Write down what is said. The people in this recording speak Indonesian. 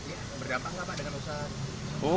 ini berdampak nggak pak dengan usaha